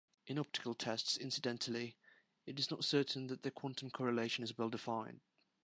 In optical tests, incidentally, it is not certain that the quantum correlation is well-defined.